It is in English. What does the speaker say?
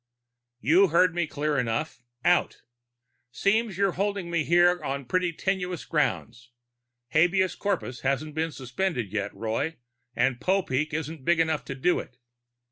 "You heard me clear enough. Out. Seems you're holding me here on pretty tenuous grounds. Habeas corpus hasn't been suspended yet, Roy, and Popeek isn't big enough to do it.